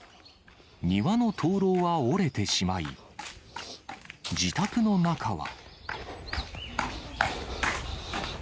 庭の灯籠は折れてしまい、自宅の中は。